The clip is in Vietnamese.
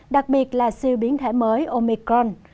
đặc biệt là siêu biến thể mới omicron